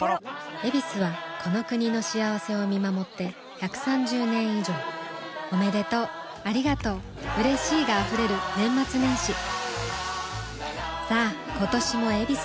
「ヱビス」はこの国の幸せを見守って１３０年以上おめでとうありがとううれしいが溢れる年末年始さあ今年も「ヱビス」で